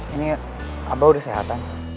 ini abah udah sehatan